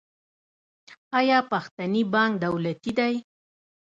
آیا پښتني بانک دولتي دی؟